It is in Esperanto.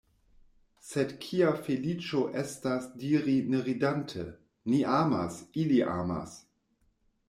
Sed kia feliĉo estas diri ne ridante: „Ni amas, ili amas.